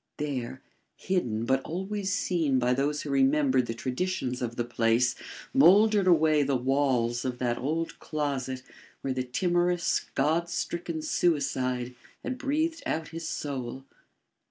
There, hidden but always seen by those who remembered the traditions of the place, mouldered away the walls of that old closet where the timorous, God stricken suicide had breathed out his soul.